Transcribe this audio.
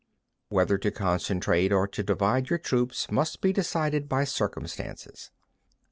16. Whether to concentrate or to divide your troops, must be decided by circumstances.